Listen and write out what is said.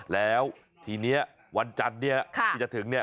แล้วทีนี้วันจันทร์เนี่ยที่จะถึงเนี่ย